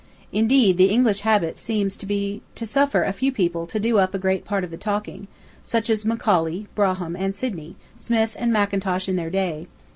Indeed, the English habit seems to be to suffer a few people to do up a great part of the talking, such as Macaulay, Brougham, and Sydney Smith and Mackintosh in their day.